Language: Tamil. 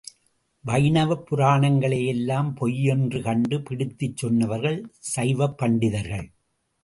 வைணவப் புராணங்ளையெல்லாம் பொய் என்று கண்டு பிடித்துச் சொன்னவர்கள் சைவப் பண்டிதர்கள்.